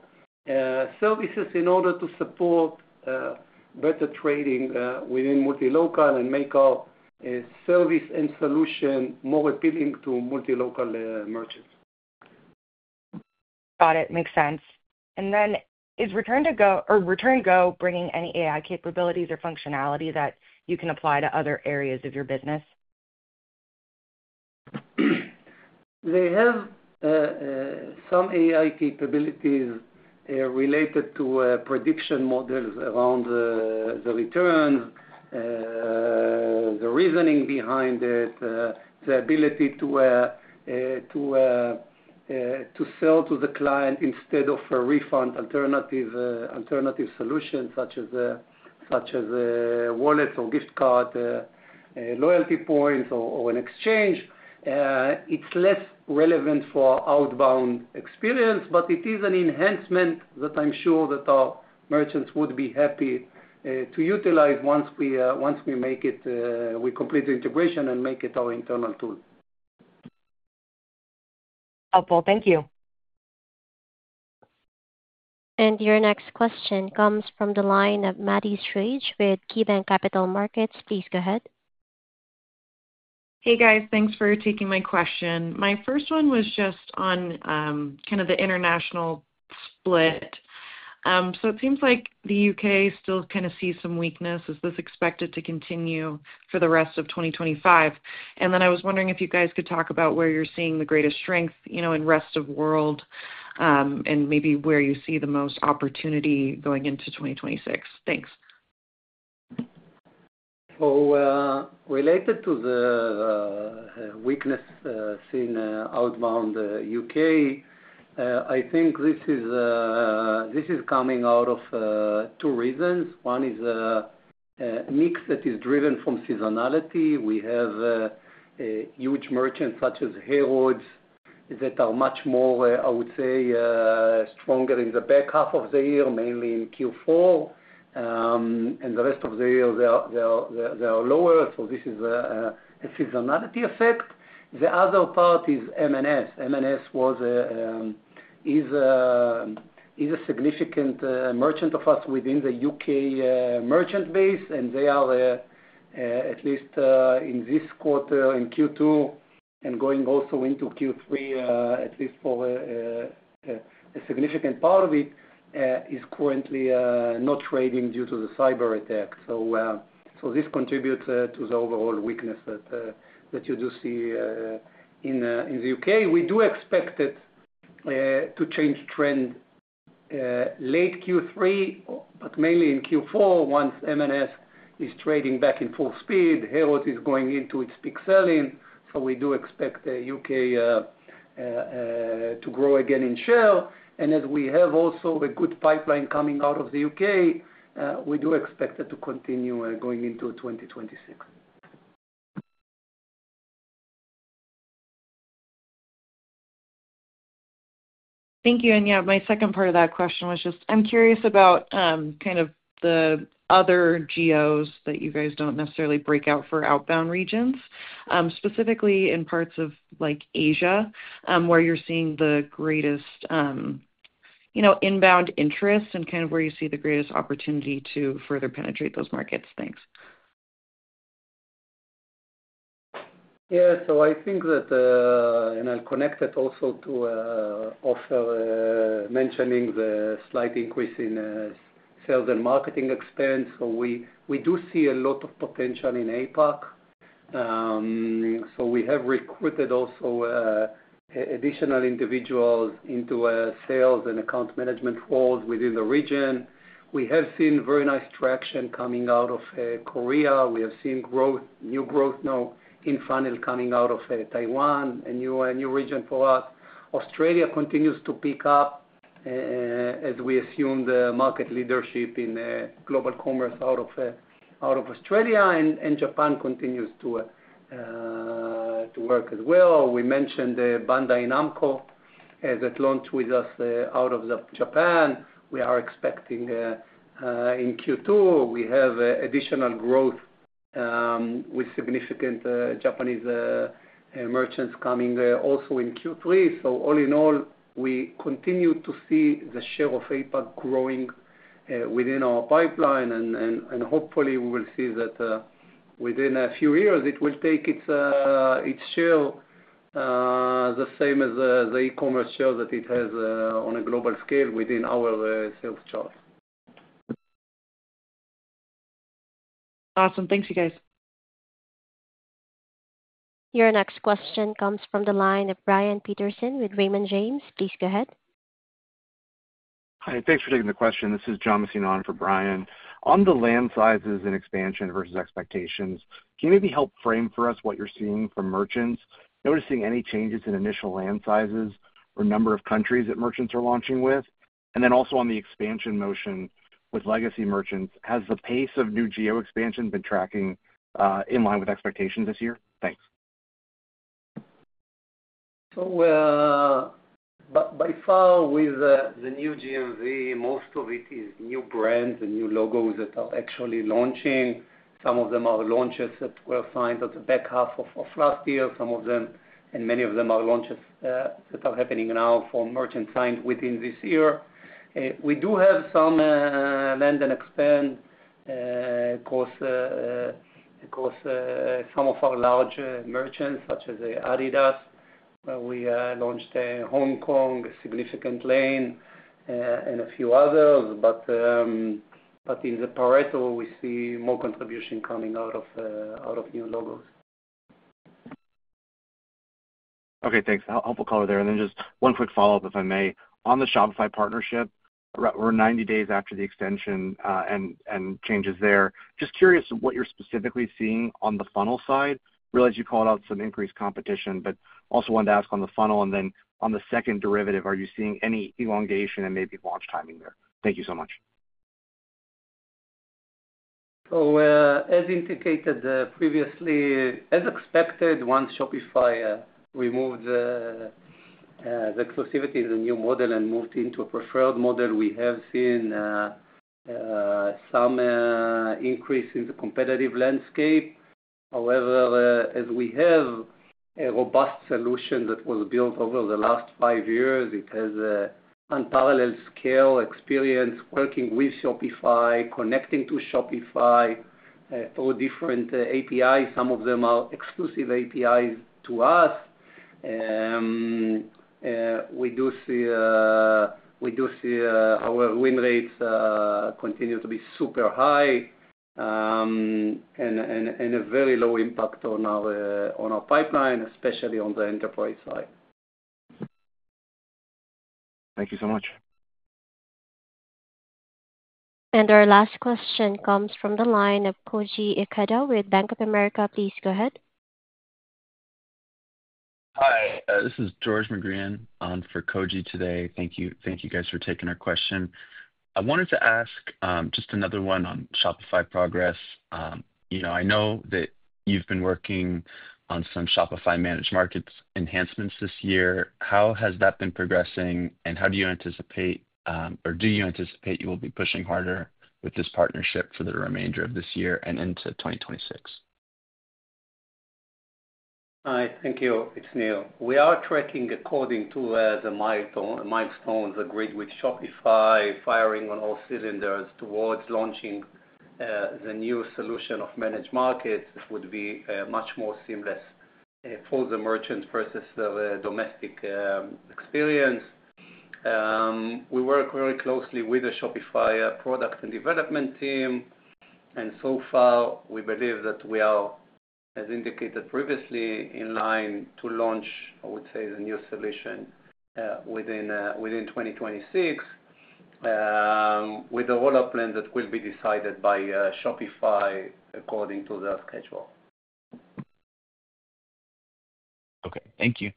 services in order to support better trading within Multilocal and make our service and solution more appealing to Multilocal merchants. Got it. Makes sense. Is ReturnGo bringing any AI capabilities or functionality that you can apply to other areas of your business? They have some AI capabilities related to prediction models around the returns, the reasoning behind it, the ability to sell to the client instead of a refund alternative solution such as wallets or gift card loyalty points or an exchange. It's less relevant for outbound experience, but it is an enhancement that I'm sure that our merchants would be happy to utilize once we complete the integration and make it our internal tool. Helpfull. Thank you. Your next question comes from the line of Maddie Schrage with KeyBanc Capital Markets. Please go ahead. Hey guys, thanks for taking my question. My first one was just on kind of the international split. It seems like the U.K. still kind of sees some weakness. Is this expected to continue for the rest of 2025? I was wondering if you guys could talk about where you're seeing the greatest strength in rest of world and maybe where you see the most opportunity going into 2026. Thanks. Oh, related to the weakness in outbound U.K., I think this is coming out of two reasons. One is mix that is driven from seasonality. We have huge merchants such as Harrods that are much more, I would say, stronger in the back half of the year, mainly in Q4, and the rest of the year they are lower. This is a seasonality effect. The other part is M&S. M&S was a significant merchant of us within the U.K. merchant base, and they are, at least in this quarter in Q2 and going also into Q3, at least for a significant part of it, currently not trading due to the cyber attack. This contributes to the overall weakness that you do see in the U.K. We do expect it to change trend late Q3, but mainly in Q4 once M&S is trading back in full speed. Harrods is going into its peak selling. We do expect the U.K. to grow again in share, and as we have also a good pipeline coming out of the U.K., we do expect it to continue going into 2026. Thank you. My second part of that question was just I'm curious about kind of the other geos that you guys don't necessarily break out for outbound regions, specifically in parts of Asia where you're seeing the greatest inbound interest and kind of where you see the greatest opportunity to further penetrate those markets. Thanks. Yeah, I think that, and I'll connect it also to Ofer mentioning the slight increase in sales and marketing expense. We do see a lot of potential in APAC. We have recruited additional individuals into sales and account management roles within the region. We have seen very nice traction coming out of Korea. We have seen new growth now in funnel coming out of Taiwan, a new region for us. Australia continues to pick up as we assume the market leadership in global commerce out of Australia, and Japan continues to work as well. We mentioned Bandai Namco as it launched with us out of Japan. We are expecting in Q2 to have additional growth with significant Japanese merchants coming also in Q3. All in all, we continue to see the share of APAC growing within our pipeline, and hopefully we will see that within a few years it will take its share, the same as the e-commerce share that it has on a global scale within our sales charts. Awesome.Thank you, guys. Your next question comes from the line of Bryan Peterson with Raymond James. Please go ahead. Hi, thanks for taking the question. This is John Messina for Brian. On the land sizes and expansion versus expectations, can you maybe help frame for us what you're seeing from merchants, noticing any changes in initial land sizes or number of countries that merchants are launching with? Regarding the expansion motion with legacy merchants. Has the pace of new geo expansion been tracking in line with expectations this year? Thanks. By far with the new GMV, most of it is new brands and new logos that are actually launching. Some of them are launches that were signed at the back half of last year, some of them and many of them are launches that are happening now. For merchants signed within this year, we do have some land and expand cost. Of course, some of our larger merchants, such as Adidas, we launched Hong Kong, Significant Lane and a few others. In the Pareto, we see more contribution coming out of new logos. Okay, thanks. Helpful color there. Just one quick follow-up if I may. On the Shopify partnership, we're 90 days after the extension and changes there. Just curious what you're specifically seeing on the funnel side. Realize you called out some increased competition, but also wanted to ask on the funnel and then on the second derivative, are you seeing any elongation and maybe launch timing there? Thank you so much. As indicated previously, as expected, once Shopify removed the exclusivity in the new model and moved into a preferred model, we have seen some increase in the competitive landscape. However, as we have a robust solution that was built over the last five years, it has unparalleled scale, experience working with Shopify, connecting to Shopify through different APIs. Some of them are exclusive APIs to us. We do see our win rates continue to be super high and a very low impact on our pipeline, especially on the enterprise side. Thank you so much. Our last question comes from the line of Koji Ikeda with Bank of America. Please go ahead. Hi, this is George McGreehan on for Koji today. Thank you. Thank you guys for taking our question. I wanted to ask just another one on Shopify progress. I know that you've been. Working on some Shopify managed markets enhancements this year. How has that been progressing, and do you anticipate you will be pushing harder with this partnership for the remainder of this year and into 2026? Hi, thank you. It's Nir. We are tracking according to the milestones agreed with Shopify, firing on all cylinders towards launching the new solution of managed market, which would be much more seamless for the merchants versus the domestic experience. We work very closely with the Shopify product and development team, and so far we believe that we are, as indicated previously, in line to launch, I would say, the new solution within 2026 with a rollout plan that will be decided by Shopify according to the schedule. Okay, thank you.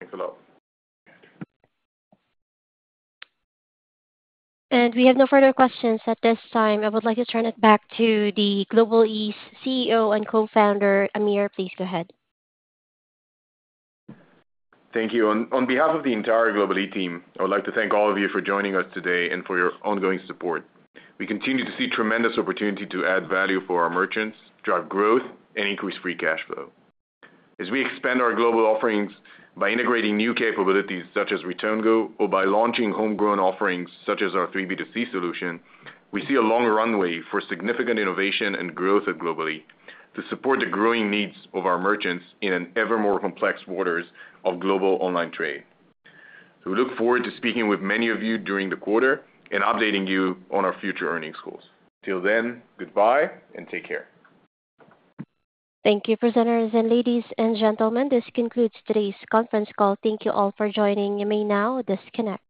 Thanks a lot. We have no further questions at this time. I would like to turn it back to the Global-e CEO and Co-Founder, Amir. Please go ahead. Thank you. On behalf of the entire Global-e team, I would like to thank all of you for joining us today and for your ongoing support. We continue to see tremendous opportunity to add value for our merchants, drive growth, and increase free cash flow. As we expand our global offerings by integrating new capabilities such as ReturnGo or by launching homegrown offerings such as our 3B2C solution, we see a long runway for significant innovation and growth at Global-e to support the growing needs of our merchants in ever more complex waters of global online trade. We look forward to speaking with many of you during the quarter and updating you on our future earnings goals. Till then, goodbye and take care. Thank you, presenters and ladies and gentlemen, this concludes today's conference call. Thank you all for joining. You may now disconnect.